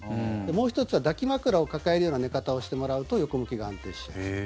もう１つは抱き枕を抱えるような寝方をしてもらうと横向きが安定しやすい。